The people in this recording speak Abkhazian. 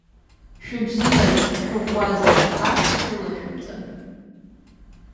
Шәыбзиаз, шәыӷәӷәаз, ахьҭа шәылашәымҵан!